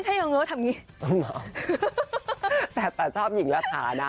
จะทำงี้ต้องมองแต่ตัดชอบหงิงระถานะ